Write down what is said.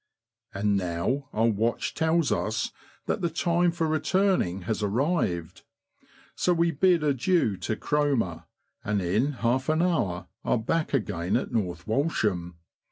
And now our watch tells us that the time for return ing has arrived, so we bid adieu to Cromer, and in half an hour are back again at North Walsham.